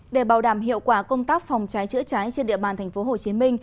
để bảo đảm hiệu quả công tác phòng cháy chữa cháy trên địa bàn tp hcm